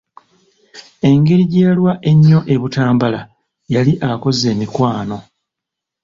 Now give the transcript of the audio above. Engeri gye yalwa ennyo e Butambala yali akoze emikwano.